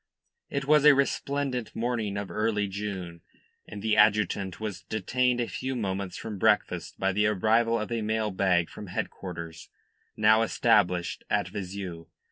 It was a resplendent morning of early June, and the adjutant was detained a few moments from breakfast by the arrival of a mail bag from headquarters, now established at Vizeu.